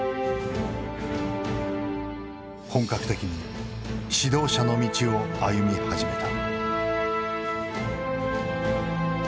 本格的に指導者の道を歩み始めた。